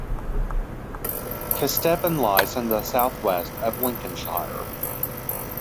Kesteven lies in the south-west of Lincolnshire.